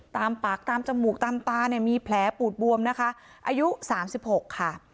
ตามปากตามจมูกตามตาเนี่ยมีแผลปูดบวมนะคะอายุ๓๖ค่ะ